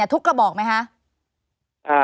ทุกกระบอกไหมคะ